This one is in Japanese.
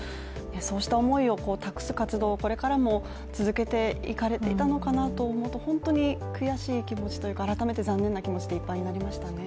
そうした思いを託す活動をこれからも続けてられていたのかなと思うと本当に悔しい気持ちというか、改めて残念な気持ちでいっぱいになりましたね。